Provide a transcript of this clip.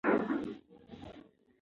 ته ولې له خوبه پاڅېدې؟